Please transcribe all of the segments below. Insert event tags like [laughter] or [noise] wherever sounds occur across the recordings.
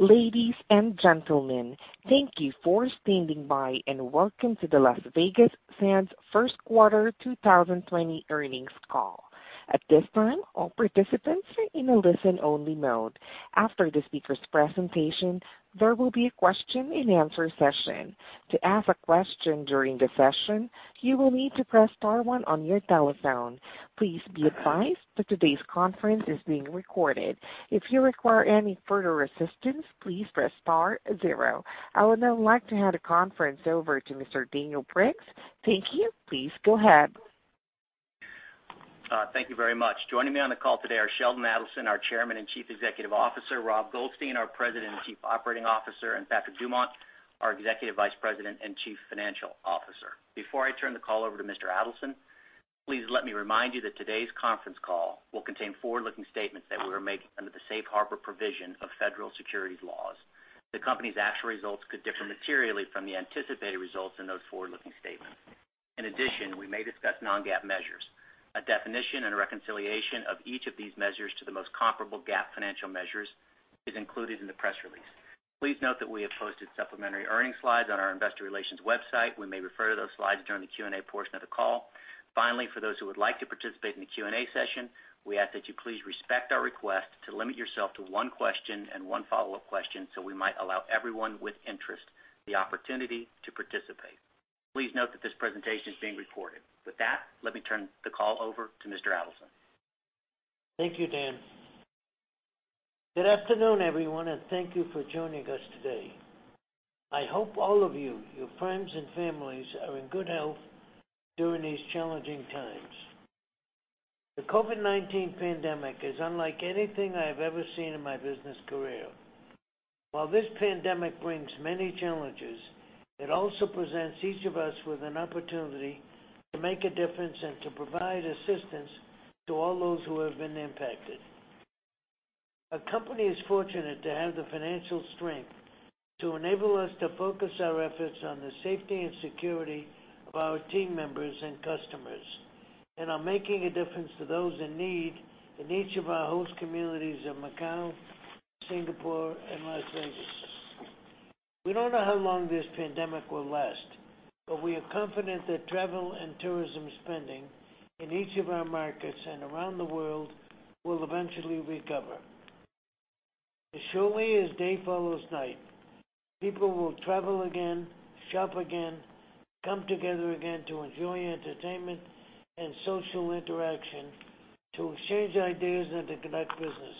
Ladies and gentlemen, thank you for standing by, and welcome to the Las Vegas Sands first quarter 2020 earnings call. I would now like to hand the conference over to Mr. Daniel Briggs. Thank you. Please go ahead. Thank you very much. Joining me on the call today are Sheldon Adelson, our Chairman and Chief Executive Officer, Rob Goldstein, our President and Chief Operating Officer, and Patrick Dumont, our Executive Vice President and Chief Financial Officer. Before I turn the call over to Mr. Adelson, please let me remind you that today's conference call will contain forward-looking statements that we are making under the safe harbor provision of federal securities laws. The company's actual results could differ materially from the anticipated results in those forward-looking statements. In addition, we may discuss non-GAAP measures. A definition and a reconciliation of each of these measures to the most comparable GAAP financial measures is included in the press release. Please note that we have posted supplementary earnings slides on our investor relations website. We may refer to those slides during the Q&A portion of the call. Finally, for those who would like to participate in the Q&A session, we ask that you please respect our request to limit yourself to one question and one follow-up question so we might allow everyone with interest the opportunity to participate. Please note that this presentation is being recorded. With that, let me turn the call over to Mr. Adelson. Thank you, Dan. Good afternoon, everyone. Thank you for joining us today. I hope all of you, your friends, and families are in good health during these challenging times. The COVID-19 pandemic is unlike anything I have ever seen in my business career. While this pandemic brings many challenges, it also presents each of us with an opportunity to make a difference and to provide assistance to all those who have been impacted. Our company is fortunate to have the financial strength to enable us to focus our efforts on the safety and security of our team members and customers and on making a difference to those in need in each of our host communities of Macau, Singapore, and Las Vegas. We don't know how long this pandemic will last, but we are confident that travel and tourism spending in each of our markets and around the world will eventually recover. As surely as day follows night, people will travel again, shop again, come together again to enjoy entertainment and social interaction, to exchange ideas, and to conduct business.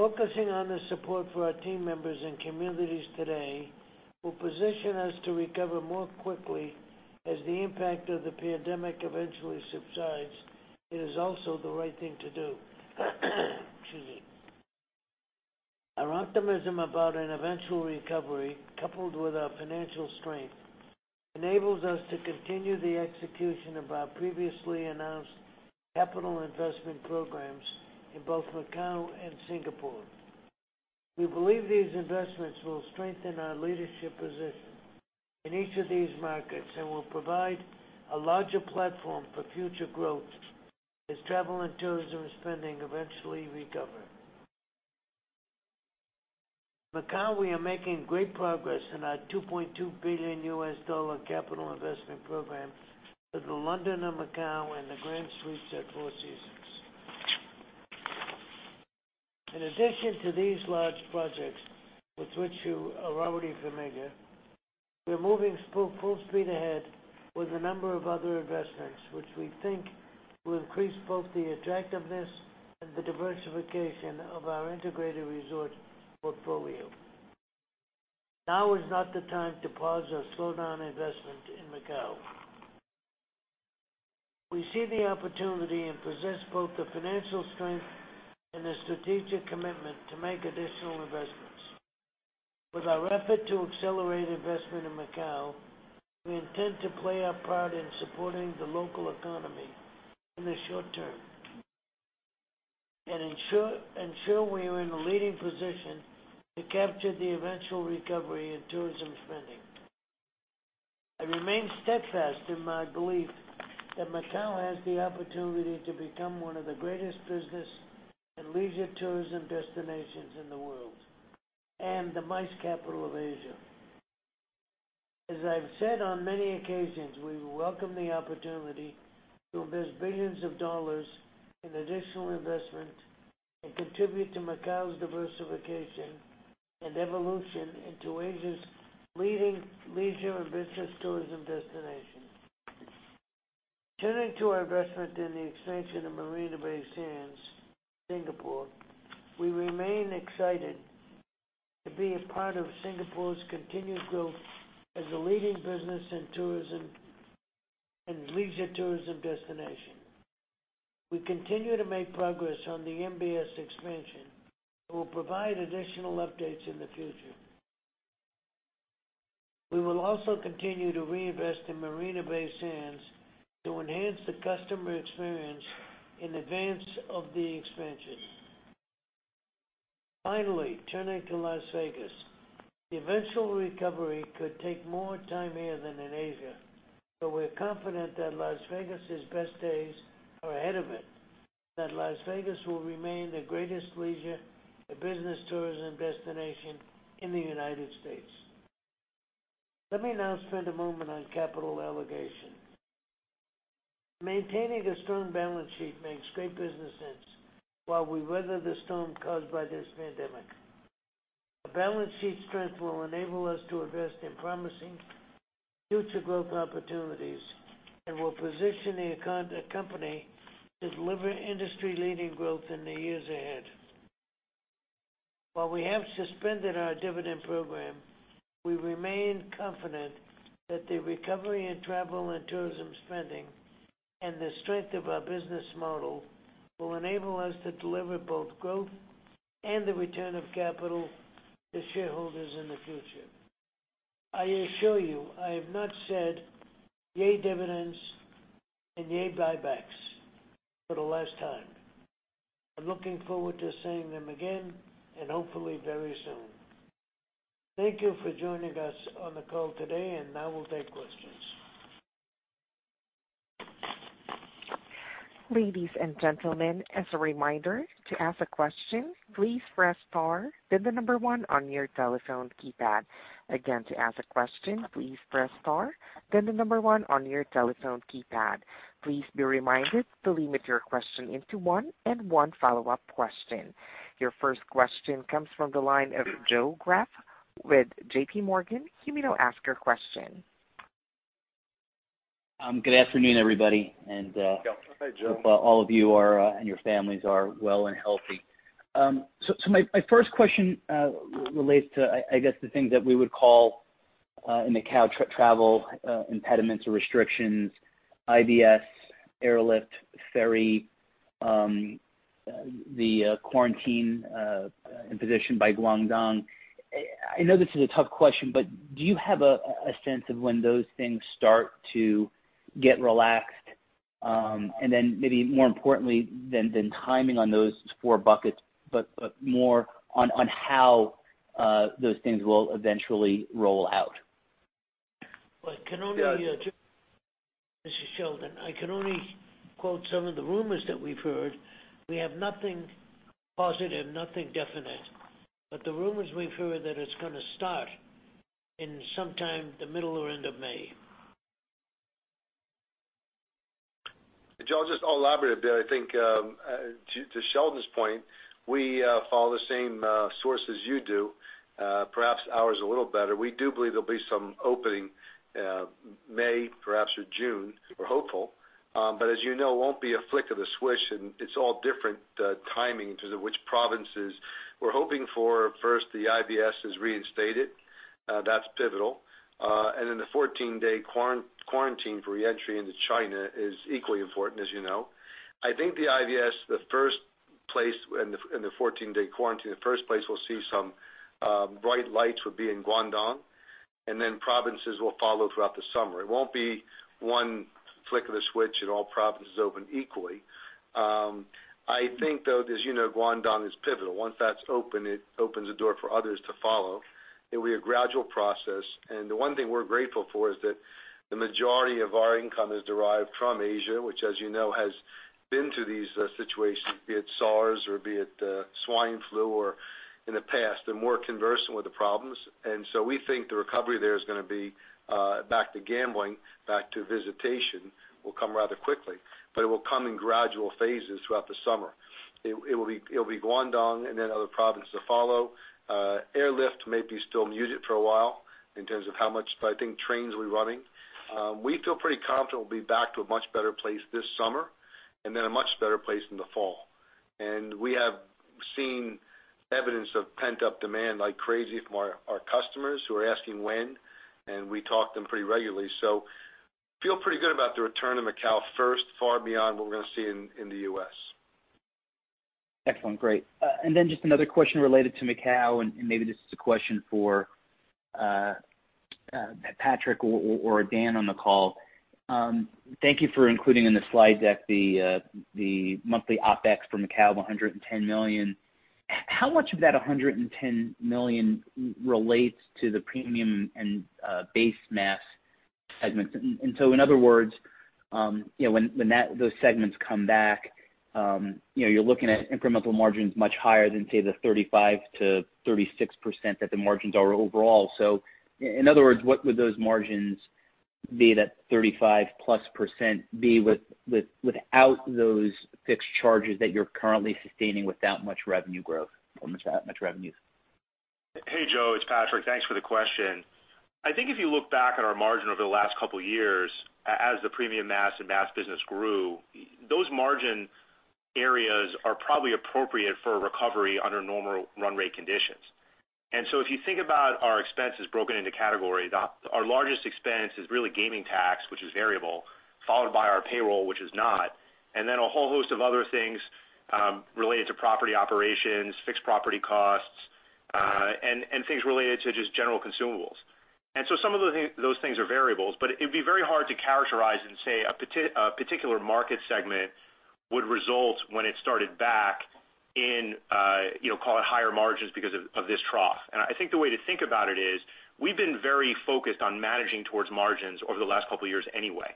Focusing on the support for our team members and communities today will position us to recover more quickly as the impact of the pandemic eventually subsides. It is also the right thing to do. Excuse me. Our optimism about an eventual recovery, coupled with our financial strength, enables us to continue the execution of our previously announced capital investment programs in both Macau and Singapore. We believe these investments will strengthen our leadership position in each of these markets and will provide a larger platform for future growth as travel and tourism spending eventually recover. In Macau, we are making great progress in our $2.2 billion capital investment program for The Londoner Macao and The Grand Suites at Four Seasons. In addition to these large projects with which you are already familiar, we're moving full speed ahead with a number of other investments, which we think will increase both the attractiveness and the diversification of our integrated resort portfolio. Now is not the time to pause or slow down investment in Macau. We see the opportunity and possess both the financial strength and the strategic commitment to make additional investments. With our effort to accelerate investment in Macau, we intend to play our part in supporting the local economy in the short term and ensure we are in a leading position to capture the eventual recovery in tourism spending. I remain steadfast in my belief that Macau has the opportunity to become one of the greatest business and leisure tourism destinations in the world and the MICE capital of Asia. As I've said on many occasions, we welcome the opportunity to invest billions of dollars in additional investment and contribute to Macau's diversification and evolution into Asia's leading leisure and business tourism destination. Turning to our investment in the expansion of Marina Bay Sands, Singapore, we remain excited to be a part of Singapore's continued growth as a leading business and leisure tourism destination. We continue to make progress on the MBS expansion and will provide additional updates in the future. We will also continue to reinvest in Marina Bay Sands to enhance the customer experience in advance of the expansion. Finally, turning to Las Vegas. The eventual recovery could take more time here than in Asia. We're confident that Las Vegas' best days are ahead of it, that Las Vegas will remain the greatest leisure and business tourism destination in the United States. Let me now spend a moment on capital allocation. Maintaining a strong balance sheet makes great business sense while we weather the storm caused by this pandemic. A balance sheet strength will enable us to invest in promising future growth opportunities and will position the company to deliver industry-leading growth in the years ahead. While we have suspended our dividend program, we remain confident that the recovery in travel and tourism spending and the strength of our business model will enable us to deliver both growth and the return of capital to shareholders in the future. I assure you, I have not said, "Yay dividends, and yay buybacks," for the last time. I'm looking forward to saying them again, and hopefully very soon. Thank you for joining us on the call today, and now we'll take questions. Your first question comes from the line of Joe Greff with J.PMorgan. You may now ask your question. Good afternoon, everybody. Hi, Joe. I hope all of you and your families are well and healthy. My first question relates to, I guess, the things that we would call in the Macau travel impediments or restrictions, IVs, airlift, ferry, the quarantine imposition by Guangdong. I know this is a tough question, but do you have a sense of when those things start to get relaxed? Maybe more importantly than timing on those four buckets, but more on how those things will eventually roll out. This is Sheldon. I can only quote some of the rumors that we've heard. We have nothing positive, nothing definite. The rumors we've heard that it's going to start in sometime the middle or end of May. Joe, I'll just elaborate a bit. I think, to Sheldon's point, we follow the same sources you do. Perhaps ours are a little better. We do believe there'll be some opening May, perhaps, or June. We're hopeful. As you know, it won't be a flick of the switch, and it's all different timing to which provinces. We're hoping for first, the IVS is reinstated. That's pivotal. Then the 14-day quarantine for reentry into China is equally important, as you know. I think the IVS and the 14-day quarantine, the first place we'll see some bright lights would be in Guangdong, and then provinces will follow throughout the summer. It won't be one flick of the switch and all provinces open equally. I think, though, as you know, Guangdong is pivotal. Once that's open, it opens the door for others to follow. It will be a gradual process. The one thing we're grateful for is that the majority of our income is derived from Asia, which as you know, has been to these situations, be it SARS or be it swine flu in the past. They're more conversant with the problems. We think the recovery there is going to be back to gambling, back to visitation will come rather quickly. It will come in gradual phases throughout the summer. It'll be Guangdong and then other provinces to follow. Airlift may be still muted for a while in terms of how much, but I think trains will be running. We feel pretty confident we'll be back to a much better place this summer and then a much better place in the fall. We have seen evidence of pent-up demand like crazy from our customers who are asking when, and we talk to them pretty regularly. Feel pretty good about the return of Macau first, far beyond what we're going to see in the U.S. Excellent. Great. Then just another question related to Macau, and maybe this is a question for Patrick or Dan on the call. Thank you for including in the slide deck the monthly OpEx for Macau, $110 million. How much of that $110 million relates to the premium and base mass segments? In other words, when those segments come back, you're looking at incremental margins much higher than, say, the 35%-36% that the margins are overall. In other words, what would those margins be that 35+% be without those fixed charges that you're currently sustaining without much revenue growth or much revenues? Hey, Joe. It's Patrick. Thanks for the question. I think if you look back at our margin over the last couple of years, as the premium mass and mass business grew, those margin areas are probably appropriate for a recovery under normal run rate conditions. If you think about our expenses broken into categories, our largest expense is really gaming tax, which is variable, followed by our payroll, which is not, and then a whole host of other things related to property operations, fixed property costs, and things related to just general consumables. Some of those things are variables, but it'd be very hard to characterize and say a particular market segment would result when it started back in call it higher margins because of this trough. I think the way to think about it is, we've been very focused on managing towards margins over the last couple of years anyway.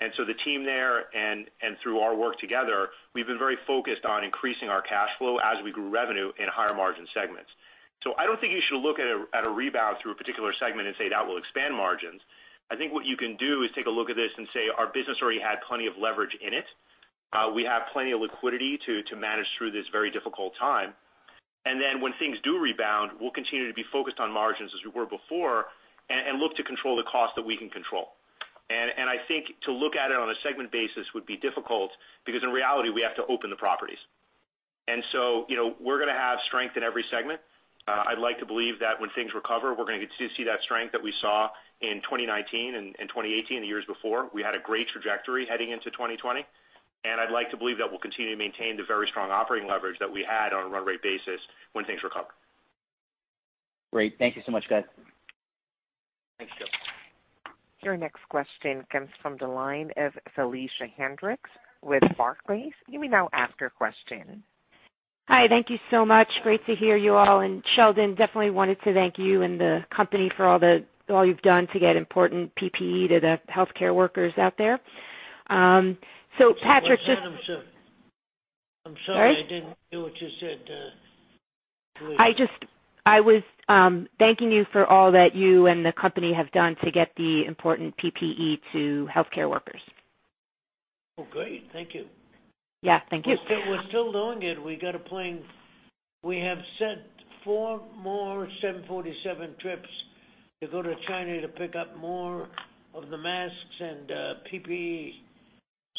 The team there and through our work together, we've been very focused on increasing our cash flow as we grew revenue in higher margin segments. I don't think you should look at a rebound through a particular segment and say that will expand margins. What you can do is take a look at this and say, our business already had plenty of leverage in it. We have plenty of liquidity to manage through this very difficult time. When things do rebound, we'll continue to be focused on margins as we were before and look to control the cost that we can control. I think to look at it on a segment basis would be difficult because in reality, we have to open the properties. We're going to have strength in every segment. I'd like to believe that when things recover, we're going to continue to see that strength that we saw in 2019 and 2018, the years before. We had a great trajectory heading into 2020, I'd like to believe that we'll continue to maintain the very strong operating leverage that we had on a run rate basis when things recover. Great. Thank you so much, guys. Thanks, Joe. Your next question comes from the line of Felicia Hendrix with Barclays. You may now ask your question. Hi. Thank you so much. Great to hear you all. Sheldon, definitely wanted to thank you and the company for all you've done to get important PPE to the healthcare workers out there. Patrick. I'm sorry. Sorry? I didn't hear what you said. I was thanking you for all that you and the company have done to get the important PPE to healthcare workers. Oh, great. Thank you. Yeah. Thank you. We're still doing it. We have set four more 747 trips to go to China to pick up more of the masks and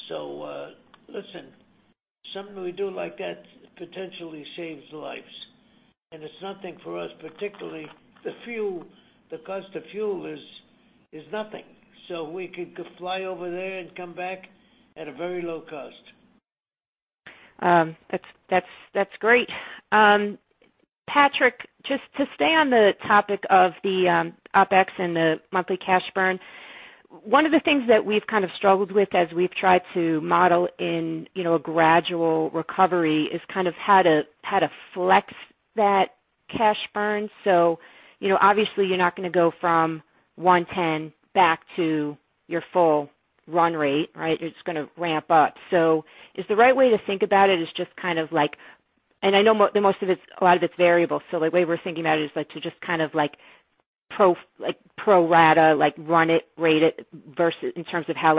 PPE. Listen, something we do like that potentially saves lives, and it's nothing for us, particularly the cost of fuel is nothing. We could fly over there and come back at a very low cost. That's great. Patrick, just to stay on the topic of the OpEx and the monthly cash burn. One of the things that we've kind of struggled with as we've tried to model in a gradual recovery is kind of how to flex that cash burn. Obviously you're not going to go from $110 back to your full run rate, right? It's going to ramp up. Is the right way to think about it is just kind of, and I know a lot of it's variable, the way we're thinking about it is to just kind of pro rata, run it, rate it in terms of how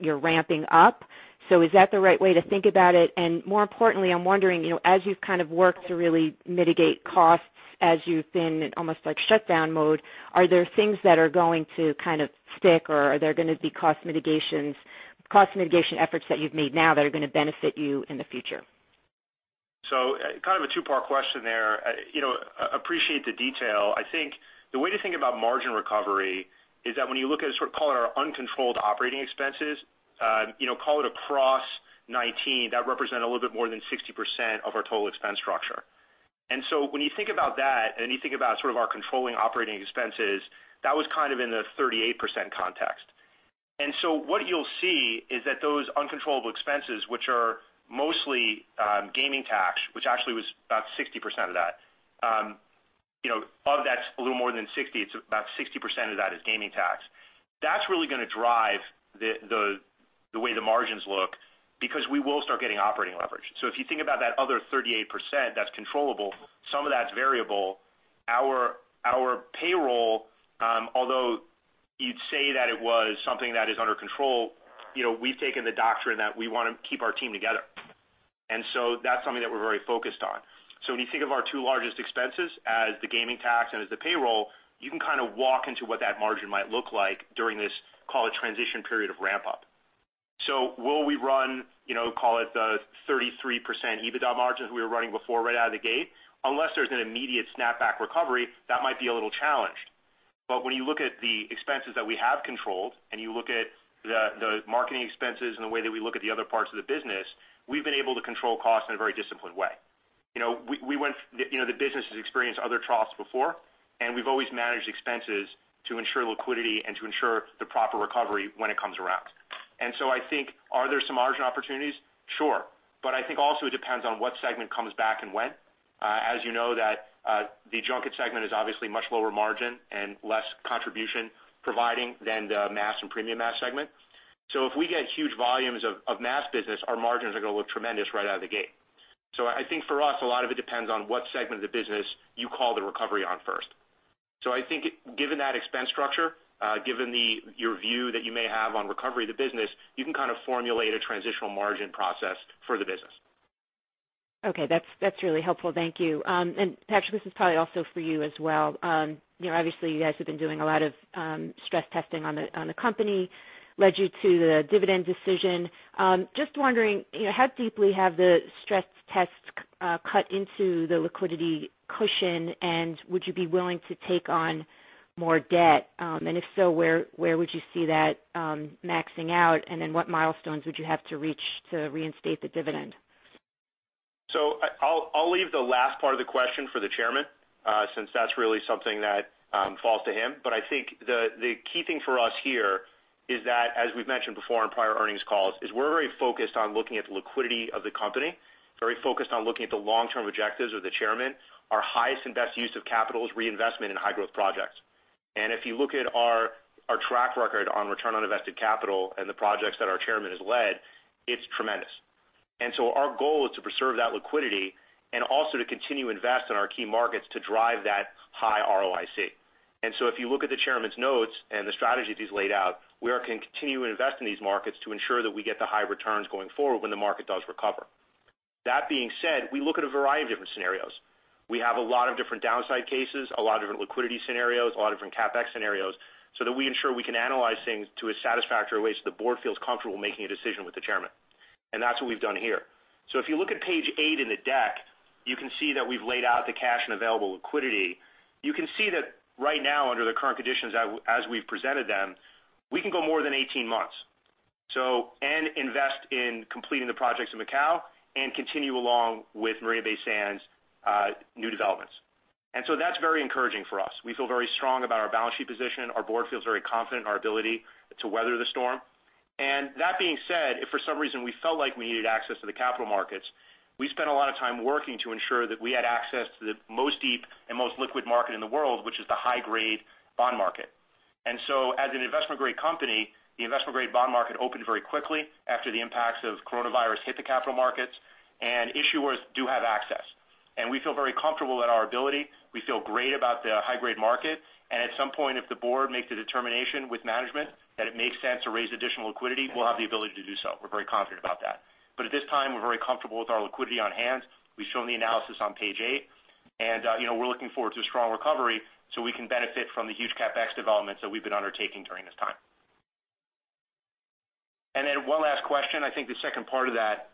you're ramping up. Is that the right way to think about it? More importantly, I'm wondering, as you've kind of worked to really mitigate costs, as you've been in almost like shutdown mode, are there things that are going to kind of stick, or are there going to be cost mitigation efforts that you've made now that are going to benefit you in the future? Kind of a 2-part question there. Appreciate the detail. I think the way to think about margin recovery is that when you look at sort of call it our uncontrollable operating expenses, call it across 2019, that represent a little bit more than 60% of our total expense structure. When you think about that and you think about sort of our controllable operating expenses, that was kind of in the 38% context. What you'll see is that those uncontrollable expenses, which are mostly gaming tax, which actually was about 60% of that. Of that a little more than 60, it's about 60% of that is gaming tax. That's really going to drive the way the margins look, because we will start getting operating leverage. If you think about that other 38% that's controllable, some of that's variable. Our payroll, although you'd say that it was something that is under control, we've taken the doctrine that we want to keep our team together. That's something that we're very focused on. When you think of our two largest expenses as the gaming tax and as the payroll, you can kind of walk into what that margin might look like during this call it transition period of ramp up. Will we run, call it the 33% EBITDA margins we were running before right out of the gate? Unless there's an immediate snapback recovery, that might be a little challenged. When you look at the expenses that we have controlled and you look at the marketing expenses and the way that we look at the other parts of the business, we've been able to control costs in a very disciplined way. The business has experienced other troughs before, and we've always managed expenses to ensure liquidity and to ensure the proper recovery when it comes around. Are there some margin opportunities? Sure. It depends on what segment comes back and when. As you know that the junket segment is obviously much lower margin and less contribution providing than the mass and premium mass segment. If we get huge volumes of mass business, our margins are going to look tremendous right out of the gate. A lot of it depends on what segment of the business you call the recovery on first. Given that expense structure, given your view that you may have on recovery of the business, you can kind of formulate a transitional margin process for the business. Okay, that's really helpful. Thank you. Patrick, this is probably also for you as well. Obviously you guys have been doing a lot of stress testing on the company, led you to the dividend decision. Just wondering how deeply have the stress tests cut into the liquidity cushion, and would you be willing to take on more debt? If so, where would you see that maxing out? What milestones would you have to reach to reinstate the dividend? I'll leave the last part of the question for the chairman, since that's really something that falls to him. I think the key thing for us here is that, as we've mentioned before on prior earnings calls, is we're very focused on looking at the liquidity of the company, very focused on looking at the long-term objectives of the chairman. Our highest and best use of capital is reinvestment in high-growth projects. If you look at our track record on return on invested capital and the projects that our chairman has led, it's tremendous. Our goal is to preserve that liquidity and also to continue to invest in our key markets to drive that high ROIC. If you look at the Chairman's notes and the strategies he's laid out, we are continuing to invest in these markets to ensure that we get the high returns going forward when the market does recover. That being said, we look at a variety of different scenarios. We have a lot of different downside cases, a lot of different liquidity scenarios, a lot of different CapEx scenarios, so that we ensure we can analyze things to a satisfactory way so the board feels comfortable making a decision with the Chairman. That's what we've done here. If you look at page eight in the deck, you can see that we've laid out the cash and available liquidity. You can see that right now, under the current conditions as we've presented them, we can go more than 18 months and invest in completing the projects in Macau and continue along with Marina Bay Sands' new developments. That's very encouraging for us. We feel very strong about our balance sheet position. Our board feels very confident in our ability to weather the storm. That being said, if for some reason we felt like we needed access to the capital markets, we spent a lot of time working to ensure that we had access to the most deep and most liquid market in the world, which is the high-grade bond market. As an investment-grade company, the investment-grade bond market opened very quickly after the impacts of coronavirus hit the capital markets, and issuers do have access. We feel very comfortable at our ability. We feel great about the high-grade market. At some point, if the board makes a determination with management that it makes sense to raise additional liquidity, we'll have the ability to do so. We're very confident about that. At this time, we're very comfortable with our liquidity on hand. We've shown the analysis on page eight. We're looking forward to a strong recovery so we can benefit from the huge CapEx developments that we've been undertaking during this time. One last question. I think the second part of that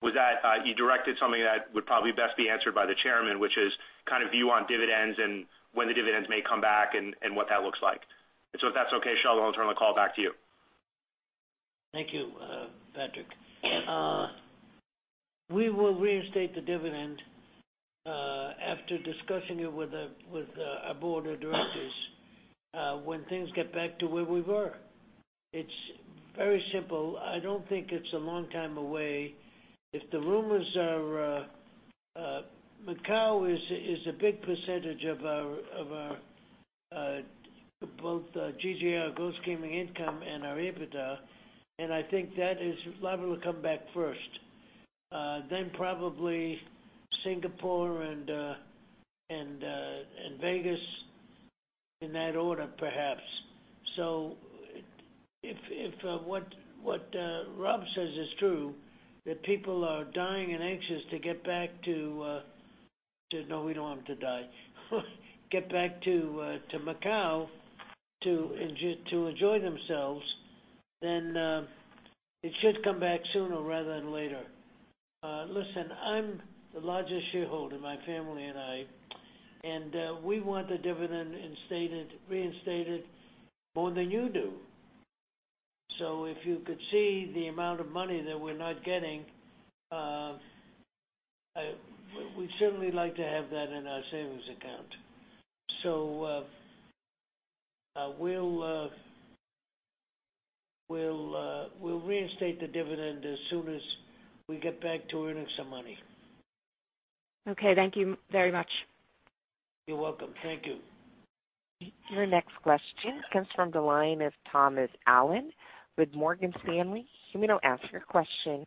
was that you directed something that would probably best be answered by the Chairman, which is kind of view on dividends and when the dividends may come back and what that looks like. If that's okay, Sheldon, I'll turn the call back to you. Thank you, Patrick. We will reinstate the dividend after discussing it with our board of directors when things get back to where we were. It's very simple. I don't think it's a long time away. Macau is a big percentage of both GGR, gross gaming income, and our EBITDA, and I think that is liable to come back first, then probably Singapore and Vegas in that order, perhaps. If what Rob says is true, that people are dying and anxious to get back. No, we don't want them to die. Get back to Macau to enjoy themselves, then it should come back sooner rather than later. Listen, I'm the largest shareholder, my family and I. We want the dividend reinstated more than you do. If you could see the amount of money that we're not getting, we'd certainly like to have that in our savings account. We'll reinstate the dividend as soon as we get back to earning some money. Okay. Thank you very much. You're welcome. Thank you. Your next question comes from the line of Thomas Allen with Morgan Stanley. You may now ask your question.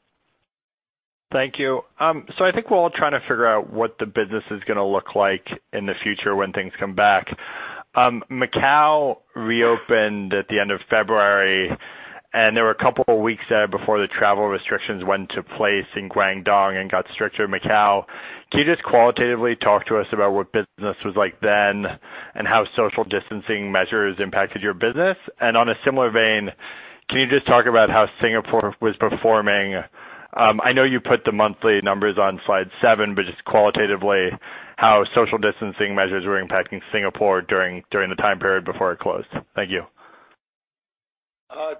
Thank you. I think we're all trying to figure out what the business is going to look like in the future when things come back. Macau reopened at the end of February, and there were a couple of weeks there before the travel restrictions went to place in Guangdong and got stricter in Macau. Can you just qualitatively talk to us about what business was like then and how social distancing measures impacted your business? On a similar vein, can you just talk about how Singapore was performing? I know you put the monthly numbers on slide seven, but just qualitatively, how social distancing measures were impacting Singapore during the time period before it closed. Thank you.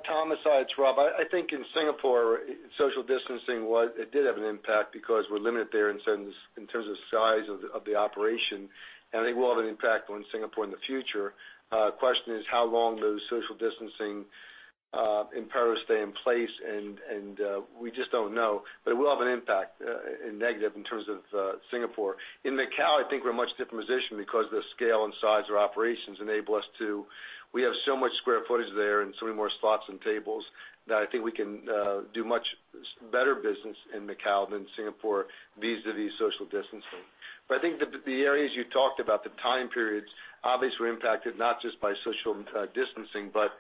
Thomas, hi, it's Rob. I think in Singapore, social distancing did have an impact because we're limited there in terms of size of the operation. I think it will have an impact on Singapore in the future. Question is, how long those social distancing imperatives stay in place. We just don't know. It will have an impact, a negative, in terms of Singapore. In Macau, I think we're in a much different position because the scale and size of operations enable us. We have so much square footage there and so many more slots and tables that I think we can do much better business in Macau than Singapore vis-à-vis social distancing. I think that the areas you talked about, the time periods obviously were impacted not just by social distancing, but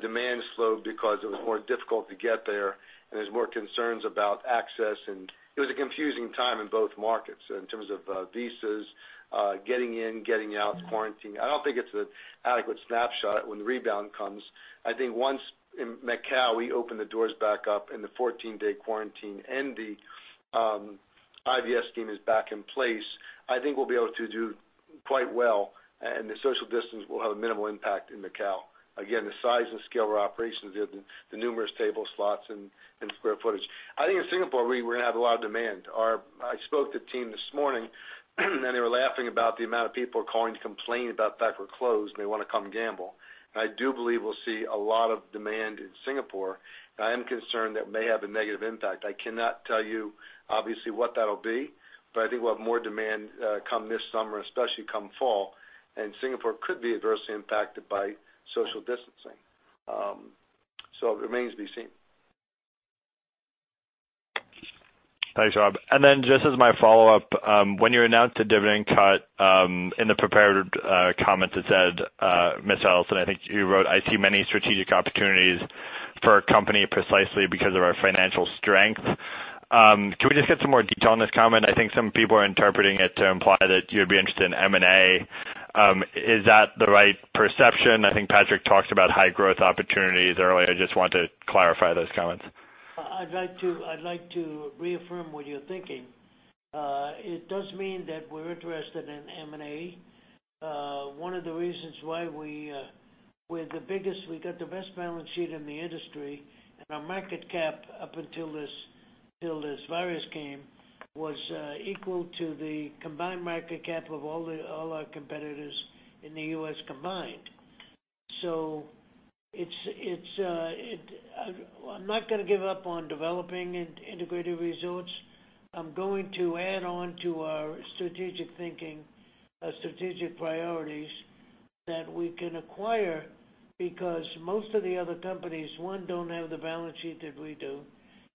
demand slowed because it was more difficult to get there, and there's more concerns about access. It was a confusing time in both markets in terms of visas, getting in, getting out, quarantine. I don't think it's an adequate snapshot when the rebound comes. I think once in Macau, we open the doors back up and the 14-day quarantine and the IVS team is back in place, I think we'll be able to do Quite well, the social distance will have a minimal impact in Macao. Again, the size and scale of our operations there, the numerous table slots and square footage. I think in Singapore, we're going to have a lot of demand. I spoke to the team this morning, and they were laughing about the amount of people calling to complain about the fact we're closed and they want to come gamble. I do believe we'll see a lot of demand in Singapore. I am concerned that may have a negative impact. I cannot tell you, obviously, what that'll be, but I think we'll have more demand come this summer, especially come fall, and Singapore could be adversely impacted by social distancing. It remains to be seen. Thanks, Rob. Just as my follow-up, when you announced a dividend cut, in the prepared comments it said, Mr. Adelson, I think you wrote, "I see many strategic opportunities for a company precisely because of our financial strength." Can we just get some more detail on this comment? I think some people are interpreting it to imply that you'd be interested in M&A. Is that the right perception? I think Patrick talked about high growth opportunities earlier. I just want to clarify those comments. I'd like to reaffirm what you're thinking. It does mean that we're interested in M&A. One of the reasons why we got the best balance sheet in the industry and our market cap, up until this virus came, was equal to the combined market cap of all our competitors in the U.S. combined. I'm not going to give up on developing integrated resorts. I'm going to add on to our strategic thinking, strategic priorities that we can acquire, because most of the other companies, one, don't have the balance sheet that we do,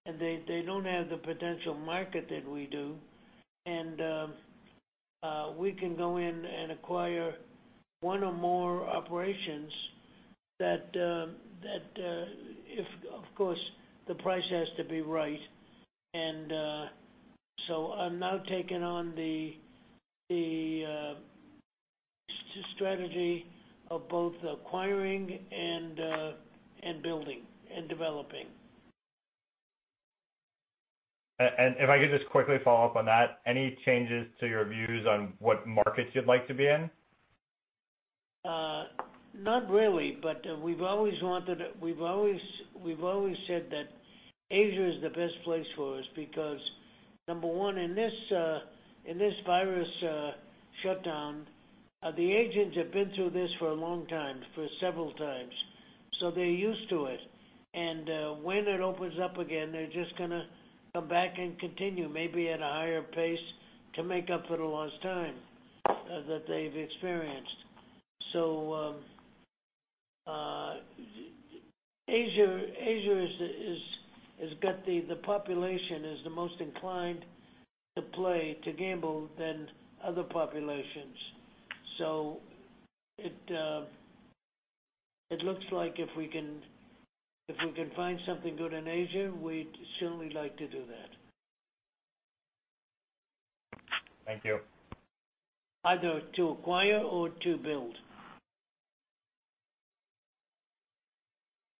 and they don't have the potential market that we do. We can go in and acquire one or more operations that, of course, the price has to be right. I'm now taking on the strategy of both acquiring and building and developing. If I could just quickly follow up on that, any changes to your views on what markets you'd like to be in? Not really, we've always said that Asia is the best place for us because, number one, in this virus shutdown, the Asians have been through this for a long time, for several times. They're used to it. When it opens up again, they're just going to come back and continue, maybe at a higher pace to make up for the lost time that they've experienced. Asia has got the population is the most inclined to play, to gamble than other populations. It looks like if we can find something good in Asia, we'd certainly like to do that. Thank you. Either to acquire or to build.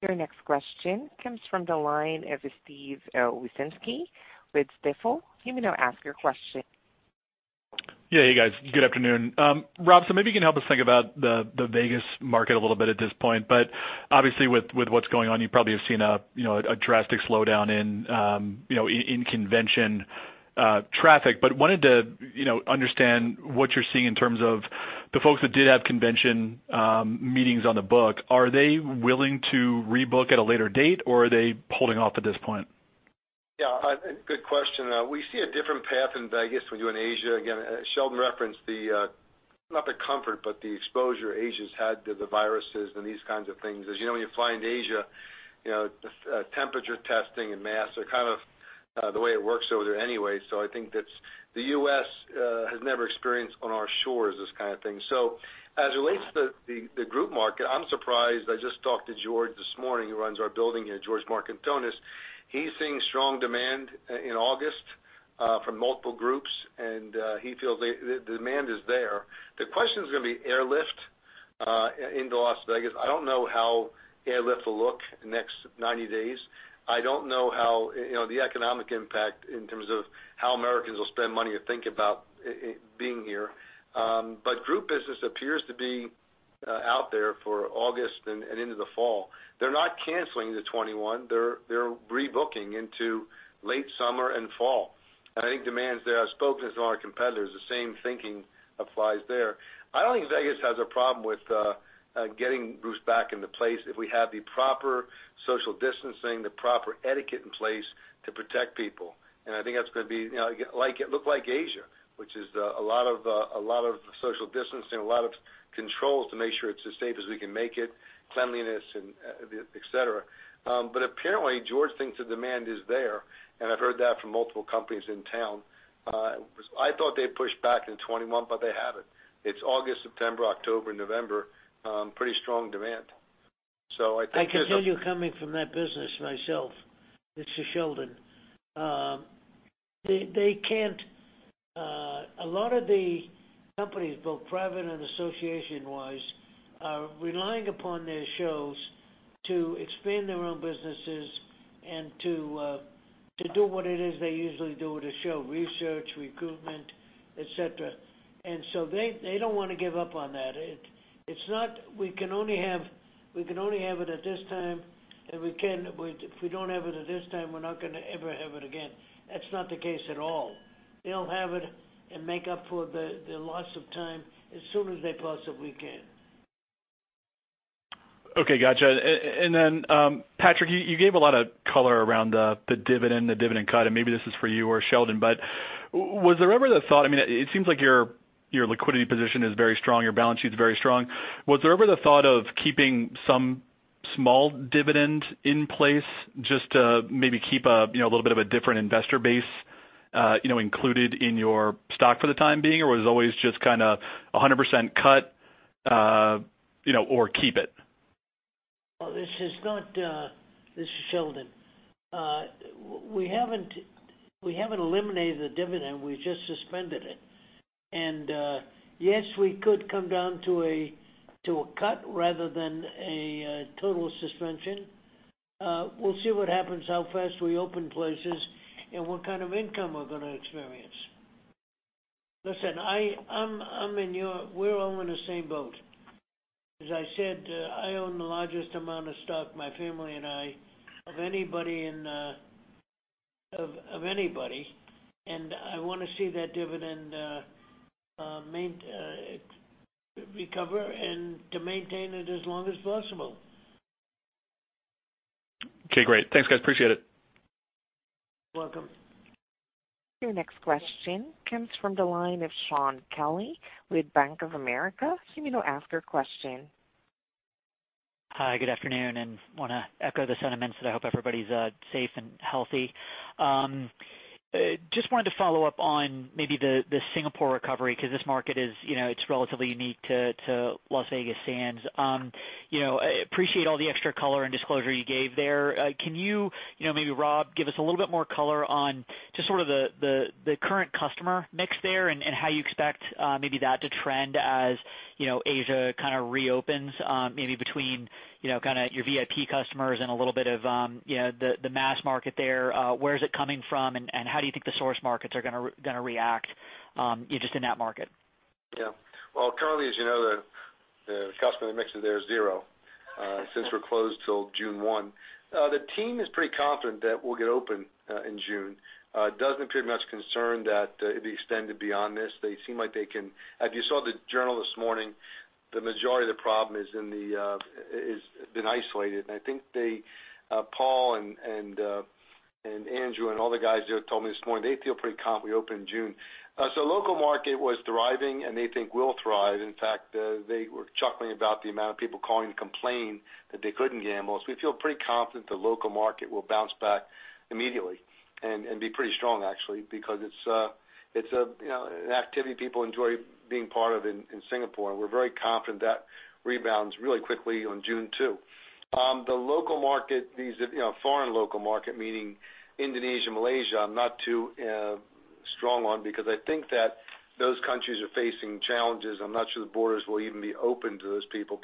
Your next question comes from the line of Steven Wieczynski with Stifel. You may now ask your question. Yeah, hey guys, good afternoon. Rob, maybe you can help us think about the Vegas market a little bit at this point. Obviously with what's going on, you probably have seen a drastic slowdown in convention traffic. I wanted to understand what you're seeing in terms of the folks that did have convention meetings on the book. Are they willing to rebook at a later date, or are they holding off at this point? Good question. We see a different path in Vegas when you're in Asia. Again, Sheldon referenced the, not the comfort, but the exposure Asia's had to the viruses and these kinds of things. As you know, when you fly into Asia, temperature testing and masks are kind of the way it works over there anyway. I think that the U.S. has never experienced on our shores this kind of thing. As it relates to the group market, I'm surprised. I just talked to George this morning, who runs our building here, George Markantonis. He's seeing strong demand in August from multiple groups, and he feels the demand is there. The question's going to be airlift into Las Vegas. I don't know how airlift will look the next 90 days. I don't know the economic impact in terms of how Americans will spend money or think about being here. Group business appears to be out there for August and into the fall. They're not canceling the 21. They're rebooking into late summer and fall. I think demand's there. I've spoken to some of our competitors. The same thinking applies there. I don't think Vegas has a problem with getting groups back into place if we have the proper social distancing, the proper etiquette in place to protect people. I think that's going to look like Asia, which is a lot of social distancing, a lot of controls to make sure it's as safe as we can make it, cleanliness, et cetera. Apparently, George thinks the demand is there, and I've heard that from multiple companies in town. I thought they'd push back into 2021, but they haven't. It's August, September, October, November, pretty strong demand. I can tell you coming from that business myself. This is Sheldon. A lot of the companies, both private and association-wise, are relying upon their shows to expand their own businesses and to do what it is they usually do with a show: research, recruitment, et cetera. They don't want to give up on that. It's not, we can only have it at this time, and if we don't have it at this time, we're not going to ever have it again. That's not the case at all. They'll have it and make up for the loss of time as soon as they possibly can. Okay, got you. Patrick, you gave a lot of color around the dividend, the dividend cut, and maybe this is for you or Sheldon. It seems like your liquidity position is very strong, your balance sheet's very strong. Was there ever the thought of keeping some small dividend in place just to maybe keep a little bit of a different investor base included in your stock for the time being, or was it always just kind of 100% cut or keep it? Well, this is Sheldon. We haven't eliminated the dividend. We just suspended it. Yes, we could come down to a cut rather than a total suspension. We'll see what happens, how fast we open places, and what kind of income we're going to experience. Listen, we're all in the same boat. As I said, I own the largest amount of stock, my family and I, of anybody. I want to see that dividend recover and to maintain it as long as possible. Okay, great. Thanks, guys. Appreciate it. You're welcome. Your next question comes from the line of Shaun Kelley with Bank of America. You may now ask your question. Hi, good afternoon, and want to echo the sentiments that I hope everybody's safe and healthy. Just wanted to follow up on maybe the Singapore recovery, because this market is relatively unique to Las Vegas Sands. Appreciate all the extra color and disclosure you gave there. Can you maybe, Rob, give us a little bit more color on just sort of the current customer mix there and how you expect maybe that to trend as Asia kind of reopens maybe between your VIP customers and a little bit of the mass market there? Where is it coming from, and how do you think the source markets are going to react just in that market? Currently, as you know, the customer mix there is zero since we're closed till June 1. The team is pretty confident that we'll get open in June. It doesn't appear much concern that it extended beyond this. If you saw the journal this morning, the majority of the problem has been isolated. I think Paul and Andrew and all the guys there told me this morning they feel pretty confident we open in June. Local market was thriving, and they think will thrive. In fact, they were chuckling about the amount of people calling to complain that they couldn't gamble. We feel pretty confident the local market will bounce back immediately and be pretty strong, actually, because it's an activity people enjoy being part of in Singapore, and we're very confident that rebounds really quickly on June 2. The foreign local market, meaning Indonesia, Malaysia, I'm not too strong on because I think that those countries are facing challenges. I'm not sure the borders will even be open to those people.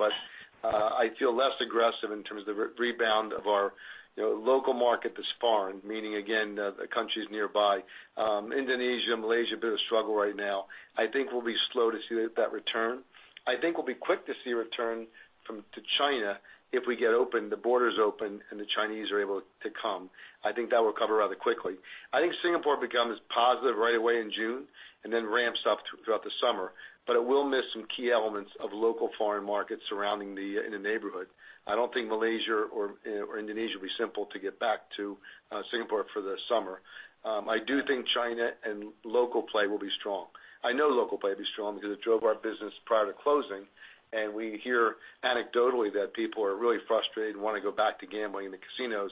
I feel less aggressive in terms of the rebound of our local market that's foreign, meaning, again, the countries nearby. Indonesia, Malaysia, a bit of a struggle right now. I think we'll be slow to see that return. I think we'll be quick to see a return to China if we get open, the borders open, and the Chinese are able to come. I think that will recover rather quickly. I think Singapore becomes positive right away in June and then ramps up throughout the summer. It will miss some key elements of local foreign markets surrounding in the neighborhood. I don't think Malaysia or Indonesia will be simple to get back to Singapore for the summer. I do think China and local play will be strong. I know local play will be strong because it drove our business prior to closing, and we hear anecdotally that people are really frustrated and want to go back to gambling in the casinos.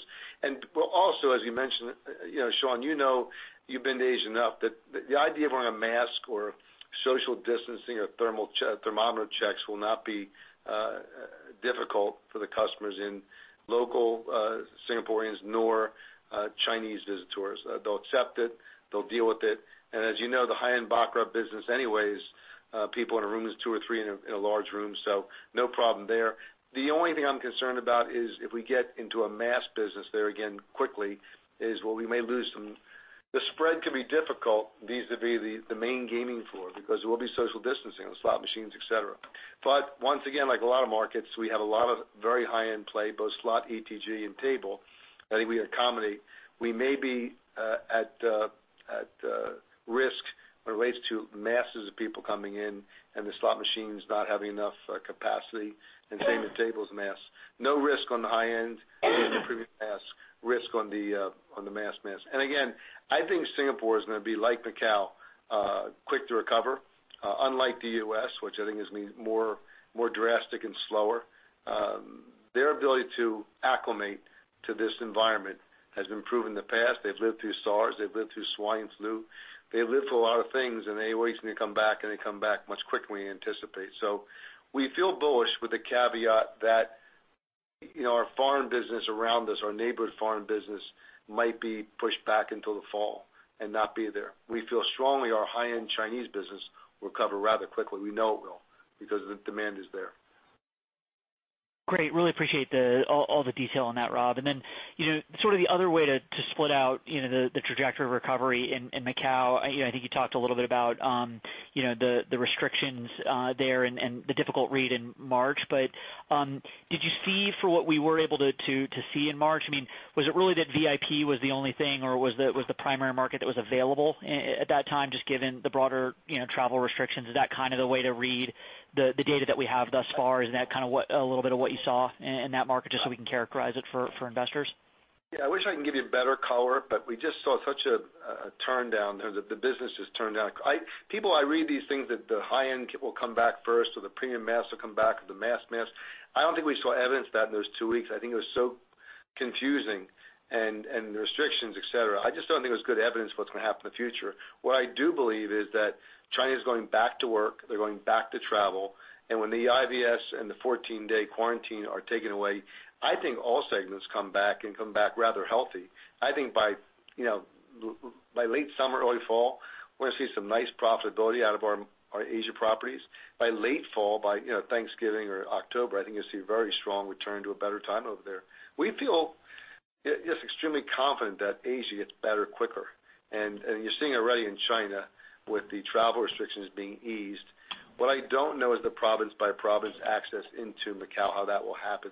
Also, as you mentioned, Shaun, you know you've been to Asia enough that the idea of wearing a mask or social distancing or thermometer checks will not be difficult for the customers in local Singaporeans nor Chinese visitors. They'll accept it. They'll deal with it. As you know, the high-end baccarat business anyways, people in a room is two or three in a large room, so no problem there. The only thing I'm concerned about is if we get into a mass business there again quickly is where we may lose some. The spread can be difficult vis-à-vis the main gaming floor because there will be social distancing on the slot machines, et cetera. Once again, like a lot of markets, we have a lot of very high-end play, both slot, ETG, and table, I think we accommodate. We may be at risk when it relates to masses of people coming in and the slot machines not having enough capacity and same with tables mass. No risk on the high end, previous mass risk on the mass. Again, I think Singapore is going to be like Macau, quick to recover. Unlike the U.S., which I think is more drastic and slower. Their ability to acclimate to this environment has been proven in the past. They've lived through SARS, they've lived through swine flu. They've lived through a lot of things, they always going to come back, and they come back much quicker than we anticipate. We feel bullish with the caveat that our foreign business around us, our neighborhood foreign business might be pushed back until the fall and not be there. We feel strongly our high-end Chinese business will recover rather quickly. We know it will, because the demand is there. Great. Really appreciate all the detail on that, Rob. Then, sort of the other way to split out the trajectory of recovery in Macau, I think you talked a little bit about the restrictions there and the difficult read in March. Did you see for what we were able to see in March? Was it really that VIP was the only thing, or was the primary market that was available at that time, just given the broader travel restrictions? Is that the way to read the data that we have thus far? Is that a little bit of what you saw in that market, just so we can characterize it for investors? Yeah. I wish I can give you a better color, but we just saw such a turndown there that the business just turned down. People, I read these things that the high end will come back first or the premium mass will come back or the mass. I don't think we saw evidence of that in those two weeks. I think it was so confusing and the restrictions, et cetera. I just don't think there's good evidence what's going to happen in the future. What I do believe is that China's going back to work, they're going back to travel, and when the IVS and the 14-day quarantine are taken away, I think all segments come back and come back rather healthy. I think by late summer, early fall, we're going to see some nice profitability out of our Asia properties. By late fall, by Thanksgiving or October, I think you'll see a very strong return to a better time over there. We feel just extremely confident that Asia gets better quicker. You're seeing already in China with the travel restrictions being eased. What I don't know is the province-by-province access into Macau, how that will happen.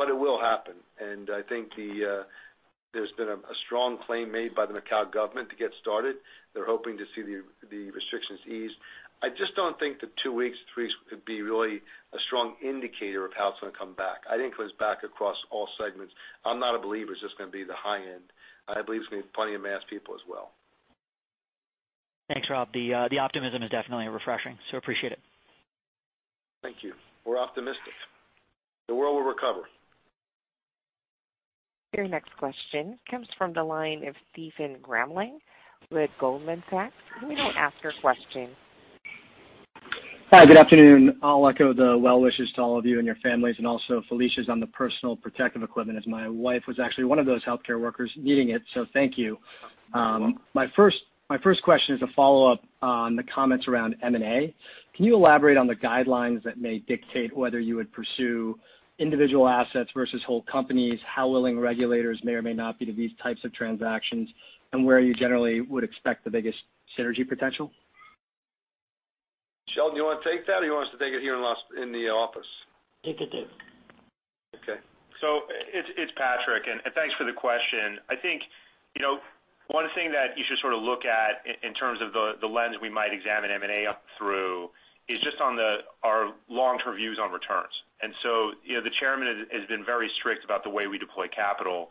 It will happen, and I think there's been a strong claim made by the Macau government to get started. They're hoping to see the restrictions eased. I just don't think the two weeks, three weeks could be really a strong indicator of how it's going to come back. I think it comes back across all segments. I'm not a believer it's just going to be the high end. I believe it's going to be plenty of mass people as well. Thanks, Rob. The optimism is definitely refreshing, so appreciate it. Thank you. We're optimistic. The world will recover. Your next question comes from the line of Stephen Grambling with Goldman Sachs. You may now ask your question. Hi, good afternoon. I'll echo the well wishes to all of you and your families, and also Felicia's on the personal protective equipment, as my wife was actually one of those healthcare workers needing it. Thank you. My first question is a follow-up on the comments around M&A. Can you elaborate on the guidelines that may dictate whether you would pursue individual assets versus whole companies, how willing regulators may or may not be to these types of transactions, and where you generally would expect the biggest synergy potential? Sheldon, you want to take that, or you want us to take it here in the office? Take it, Dave. Okay. It's Patrick, and thanks for the question. I think one thing that you should sort of look at in terms of the lens we might examine M&A through is just on our long-term views on returns. The chairman has been very strict about the way we deploy capital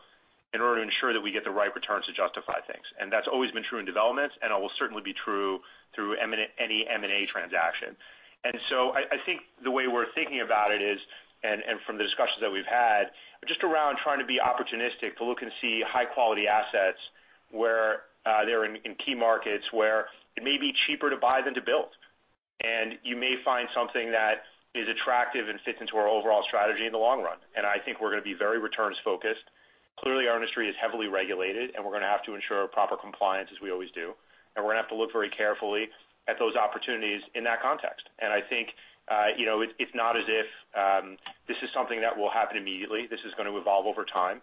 in order to ensure that we get the right returns to justify things. That's always been true in developments, and it will certainly be true through any M&A transaction. I think the way we're thinking about it is, and from the discussions that we've had, just around trying to be opportunistic to look and see high-quality assets where they're in key markets where it may be cheaper to buy than to build. You may find something that is attractive and fits into our overall strategy in the long run. I think we're going to be very returns-focused. Clearly, our industry is heavily regulated, and we're going to have to ensure proper compliance as we always do, and we're going to have to look very carefully at those opportunities in that context. I think, it's not as if this is something that will happen immediately. This is going to evolve over time,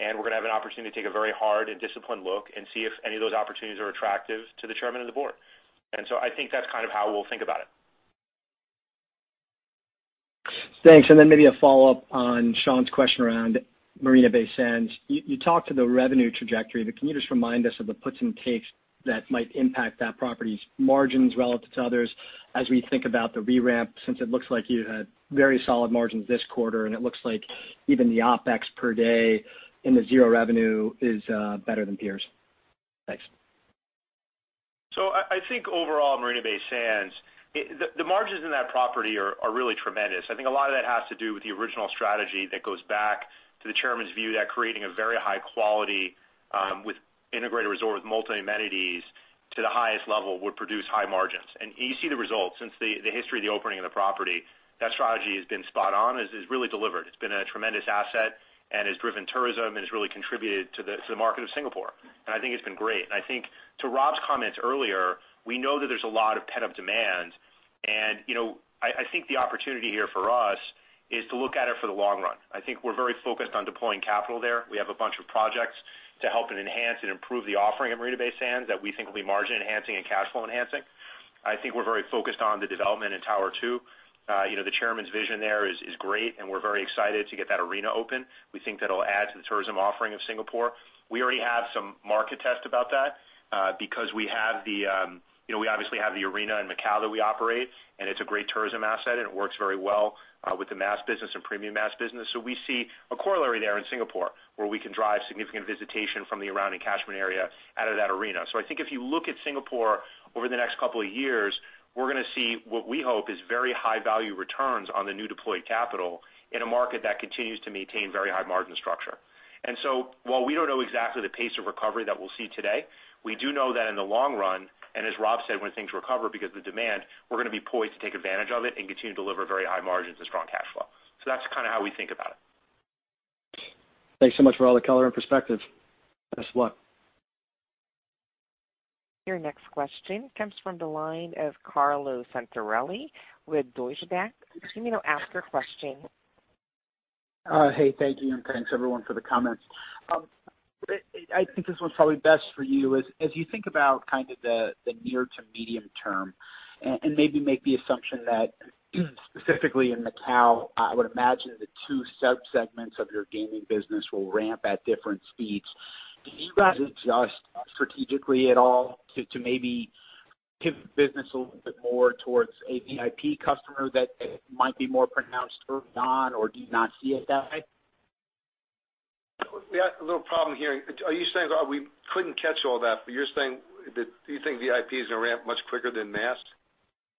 and we're going to have an opportunity to take a very hard and disciplined look and see if any of those opportunities are attractive to the chairman of the board. I think that's kind of how we'll think about it. Thanks. Maybe a follow-up on Shaun's question around Marina Bay Sands. You talked to the revenue trajectory, but can you just remind us of the puts and takes that might impact that property's margins relative to others as we think about the re-ramp, since it looks like you had very solid margins this quarter, and it looks like even the OpEx per day in the zero revenue is better than peers. Thanks. I think overall, Marina Bay Sands, the margins in that property are really tremendous. I think a lot of that has to do with the original strategy that goes back to the chairman's view that creating a very high quality, with integrated resort with multi amenities to the highest level would produce high margins. You see the results. Since the history of the opening of the property, that strategy has been spot on. It's really delivered. It's been a tremendous asset and has driven tourism and has really contributed to the market of Singapore. I think it's been great. I think to Rob's comments earlier, we know that there's a lot of pent-up demand, and I think the opportunity here for us is to look at it for the long run. I think we're very focused on deploying capital there. We have a bunch of projects to help and enhance and improve the offering at Marina Bay Sands that we think will be margin enhancing and cash flow enhancing. I think we're very focused on the development in tower 2. The chairman's vision there is great, and we're very excited to get that arena open. We think that'll add to the tourism offering of Singapore. We already have some market test about that, because we obviously have the arena in Macau that we operate, and it's a great tourism asset, and it works very well with the mass business and premium mass business. We see a corollary there in Singapore where we can drive significant visitation from the surrounding catchment area out of that arena. I think if you look at Singapore over the next couple of years, we're going to see what we hope is very high-value returns on the new deployed capital in a market that continues to maintain very high margin structure. While we don't know exactly the pace of recovery that we'll see today, we do know that in the long run, and as Rob said, when things recover because the demand, we're going to be poised to take advantage of it and continue to deliver very high margins and strong cash flow. That's how we think about it. Thanks so much for all the color and perspective. Best of luck. Your next question comes from the line of Carlo Santarelli with Deutsche Bank. You may now ask your question. Hey, thank you. Thanks everyone for the comments. I think this one's probably best for you, as you think about the near to medium term and maybe make the assumption that specifically in Macau, I would imagine the two sub-segments of your gaming business will ramp at different speeds. Do you guys adjust strategically at all to maybe pivot the business a little bit more towards a VIP customer that might be more pronounced early on or do you not see it that way? We got a little problem hearing. We couldn't catch all that, but you're saying that you think VIP is going to ramp much quicker than mass?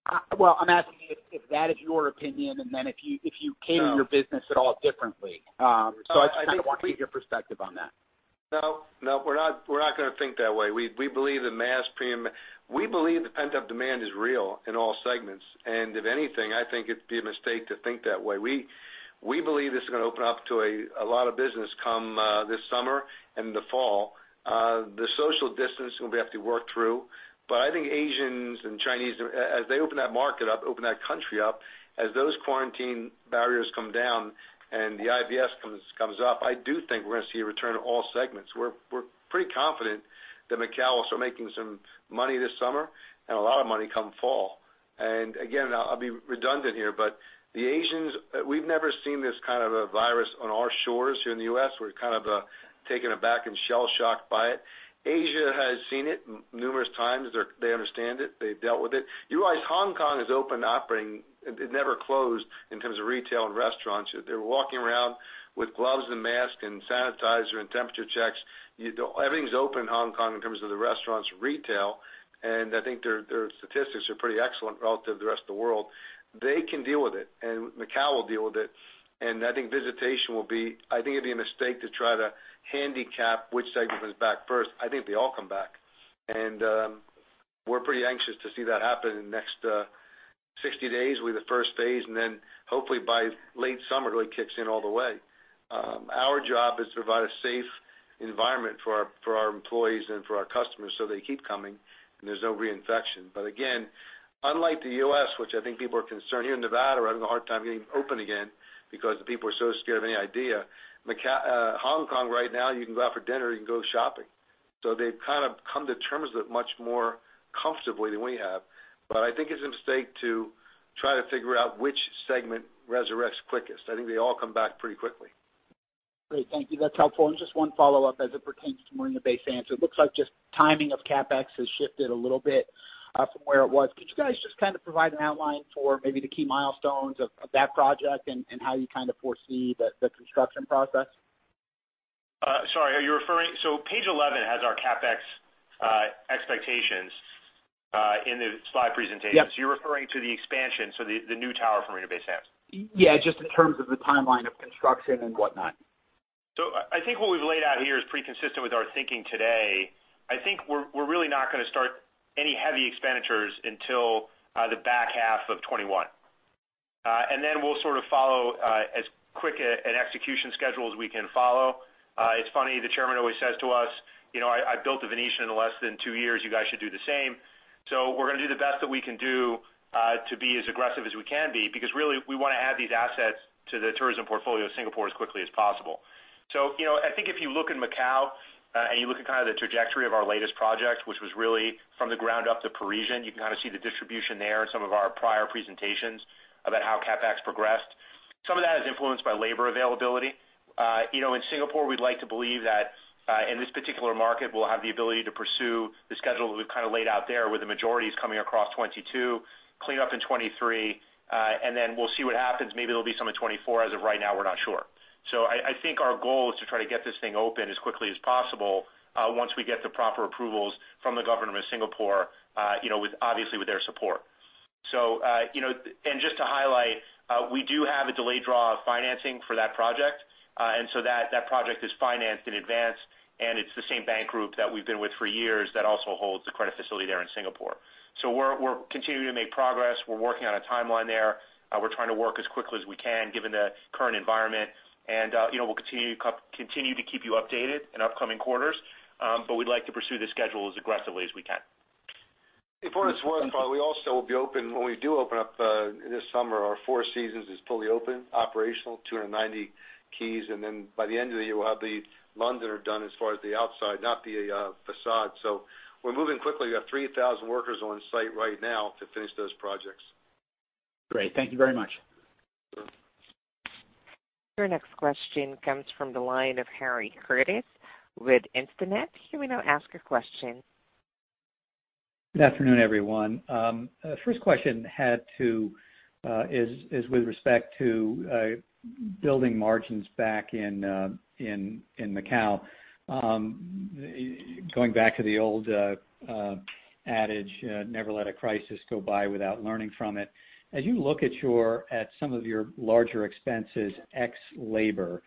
I'm asking if that is your opinion, and then if you cater your business at all differently. I just want to get your perspective on that. No. We're not going to think that way. We believe the pent-up demand is real in all segments. If anything, I think it'd be a mistake to think that way. We believe this is going to open up to a lot of business come this summer and the fall. The social distance we have to work through. I think Asians and Chinese, as they open that market up, open that country up, as those quarantine barriers come down and the IVS comes up, I do think we're going to see a return to all segments. We're pretty confident that Macao will start making some money this summer and a lot of money come fall. Again, I'll be redundant here, but the Asians, we've never seen this kind of a virus on our shores here in the U.S. We're taken aback and shell-shocked by it. Asia has seen it numerous times. They understand it. They've dealt with it. You realize Hong Kong has opened operating. It never closed in terms of retail and restaurants. They're walking around with gloves and masks and sanitizer and temperature checks. Everything's open in Hong Kong in terms of the restaurants, retail, and I think their statistics are pretty excellent relative to the rest of the world. They can deal with it. Macau will deal with it. I think it'd be a mistake to try to handicap which segment comes back first. I think they all come back. We're pretty anxious to see that happen in the next 60 days, with the first phase, then hopefully by late summer, it really kicks in all the way. Our job is to provide a safe environment for our employees and for our customers so they keep coming and there's no reinfection. Again, unlike the U.S., which I think people are concerned, here in Nevada, we're having a hard time getting open again because the people are so scared of any idea. Hong Kong right now, you can go out for dinner, you can go shopping. They've come to terms with it much more comfortably than we have. I think it's a mistake to try to figure out which segment resurrects quickest. I think they all come back pretty quickly. Great. Thank you. That's helpful. Just one follow-up as it pertains to Marina Bay Sands. It looks like just timing of CapEx has shifted a little bit from where it was. Could you guys just provide an outline for maybe the key milestones of that project and how you foresee the construction process? Sorry. Page 11 has our CapEx expectations in the slide presentation. Yep. You're referring to the expansion, so the new tower for Marina Bay Sands. Yeah, just in terms of the timeline of construction and whatnot. I think what we've laid out here is pretty consistent with our thinking today. I think we're really not going to start any heavy expenditures until the back half of 2021. Then we'll follow as quick an execution schedule as we can follow. It's funny, the chairman always says to us, "I built The Venetian in less than two years. You guys should do the same." We're going to do the best that we can do to be as aggressive as we can be, because really, we want to add these assets to the tourism portfolio of Singapore as quickly as possible. I think if you look in Macau, and you look at the trajectory of our latest project, which was really from the ground up, The Parisian, you can see the distribution there in some of our prior presentations about how CapEx progressed. Some of that is influenced by labor availability. In Singapore, we'd like to believe that in this particular market, we'll have the ability to pursue the schedule that we've laid out there, where the majority is coming across 2022, clean up in 2023, and then we'll see what happens. Maybe there'll be some in 2024. As of right now, we're not sure. I think our goal is to try to get this thing open as quickly as possible once we get the proper approvals from the government of Singapore, obviously with their support. Just to highlight, we do have a delayed draw of financing for that project. That project is financed in advance, and it's the same bank group that we've been with for years that also holds the credit facility there in Singapore. We're continuing to make progress. We're working on a timeline there. We're trying to work as quickly as we can given the current environment. We'll continue to keep you updated in upcoming quarters, but we'd like to pursue the schedule as aggressively as we can. Before this, we also will be open, when we do open up this summer, our Four Seasons is fully open, operational, 290 keys. By the end of the year, we'll have The Londoner done as far as the outside, not the facade. We're moving quickly. We have 3,000 workers on site right now to finish those projects. Great. Thank you very much. Your next question comes from the line of Harry Curtis with Instinet. You may now ask your question. Good afternoon, everyone. First question is with respect to building margins back in Macao. Going back to the old adage, never let a crisis go by without learning from it. As you look at some of your larger expenses, ex labor.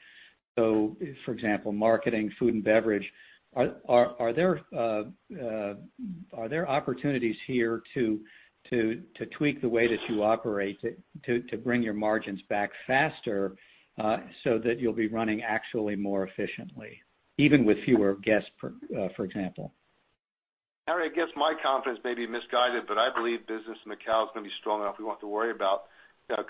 For example, marketing, food, and beverage. Are there opportunities here to tweak the way that you operate to bring your margins back faster so that you'll be running actually more efficiently, even with fewer guests, for example? Harry, I guess my confidence may be misguided, but I believe business in Macao is going to be strong enough. We won't have to worry about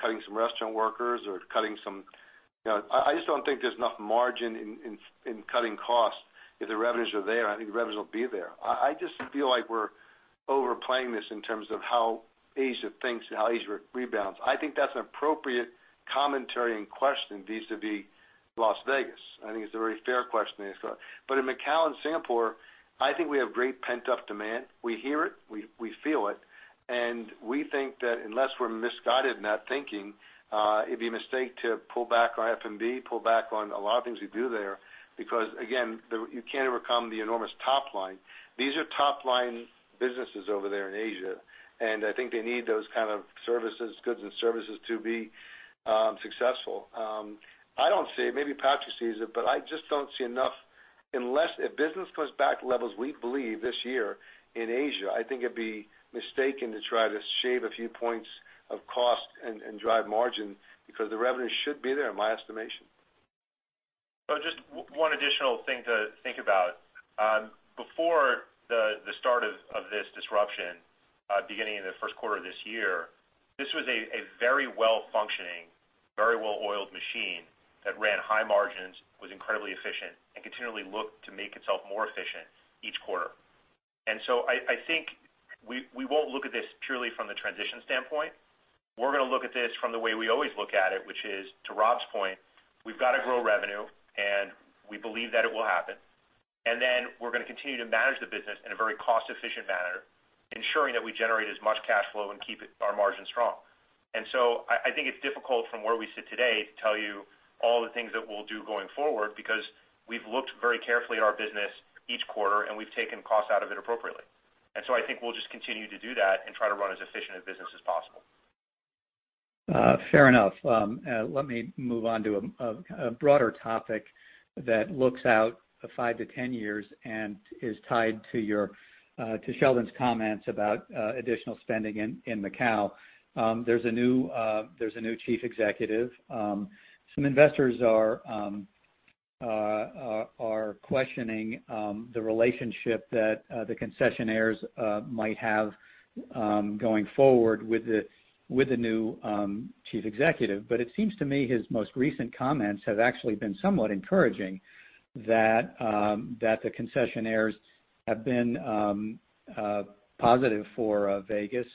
cutting some restaurant workers. I just don't think there's enough margin in cutting costs if the revenues are there, and I think the revenues will be there. I just feel like we're overplaying this in terms of how Asia thinks and how Asia rebounds. I think that's an appropriate commentary and question vis-à-vis Las Vegas. I think it's a very fair question. In Macao and Singapore, I think we have great pent-up demand. We hear it, we feel it, and we think that unless we're misguided in that thinking, it'd be a mistake to pull back on F&B, pull back on a lot of things we do there, because, again, you can't overcome the enormous top line. These are top-line businesses over there in Asia, and I think they need those kind of goods and services to be successful. I don't see it. Maybe Patrick sees it, but I just don't see enough. If business comes back to levels we believe this year in Asia, I think it'd be mistaken to try to shave a few points of cost and drive margin because the revenue should be there, in my estimation. Just one additional thing to think about. Before the start of this disruption, beginning in the first quarter of this year, this was a very well-functioning, very well-oiled machine that ran high margins, was incredibly efficient, and continually looked to make itself more efficient each quarter. I think we won't look at this purely from the transition standpoint. We're going to look at this from the way we always look at it, which is, to Rob's point, we've got to grow revenue, and we believe that it will happen. We're going to continue to manage the business in a very cost-efficient manner, ensuring that we generate as much cash flow and keep our margins strong. I think it's difficult from where we sit today to tell you all the things that we'll do going forward because we've looked very carefully at our business each quarter, and we've taken cost out of it appropriately. I think we'll just continue to do that and try to run as efficient a business as possible. Fair enough. Let me move on to a broader topic that looks out 5 years-10 years and is tied to Sheldon's comments about additional spending in Macao. There's a new chief executive. Some investors are questioning the relationship that the concessionaires might have going forward with the new chief executive. It seems to me his most recent comments have actually been somewhat encouraging that the concessionaires have been positive for Vegas.